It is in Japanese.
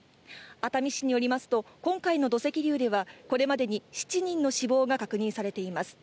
熱海市によりますと、今回の土石流では、これまでに７人の死亡が確認されています。